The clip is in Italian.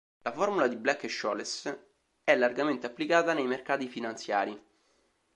La formula di Black e Scholes è largamente applicata nei mercati finanziari.